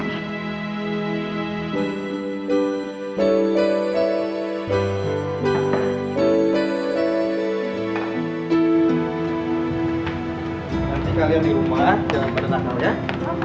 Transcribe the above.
nanti kalian di rumah jangan berdekat lo ya